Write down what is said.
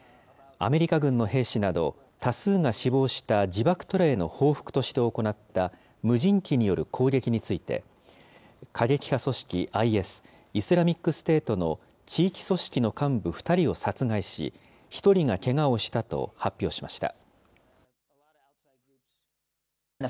アメリカ軍の兵士など、多数が死亡した自爆テロへの報復として行った無人機による攻撃について、過激派組織ＩＳ・イスラミックステートの地域組織の幹部２人を殺害し、１人がけがをしたと発表しました。